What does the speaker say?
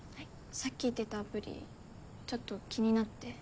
さっき言ってたアプリちょっと気になって。